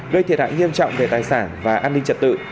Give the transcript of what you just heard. gây thiệt hại nghiêm trọng về tài sản và an ninh trật tự